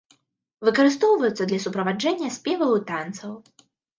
Выкарыстоўваюцца для суправаджэння спеваў і танцаў.